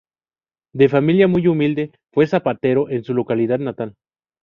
De familia muy humilde, fue zapatero en su localidad natal.